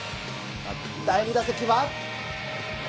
第２打席は。